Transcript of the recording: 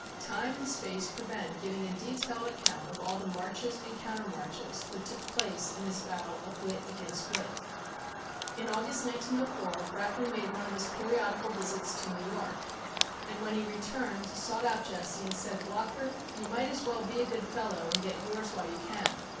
Time and space prevent giving a detailed account of all the marches and counter marches that took place in this battle of wit against wit. In August, 1904, Bracken made one of his periodical visits to New York, and when he returned sought out Jesse and said: "Blocher, you might as well be a good fellow and get yours while you can.